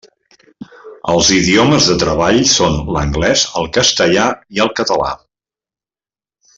Els idiomes de treball són l'anglès, el castellà i el català.